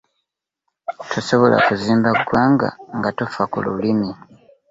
Tosobola kuzimba ggwanga nga tofa ku lulimi.